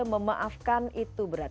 memaafkan itu berat